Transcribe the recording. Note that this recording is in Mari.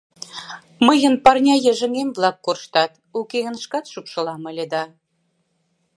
Мыйын парня йыжыҥем-влак корштат, уке гын шкат шупшылам ыле да...